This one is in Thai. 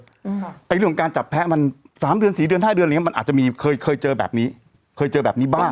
เรื่องของการจับแพ้มัน๓เดือน๔เดือน๕เดือนมันอาจจะมีเคยเจอแบบนี้เคยเจอแบบนี้บ้าง